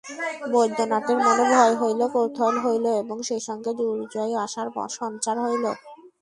বৈদ্যনাথের মনে ভয় হইল, কৌতূহল হইল এবং সেইসঙ্গে দুর্জয় আশার সঞ্চার হইল।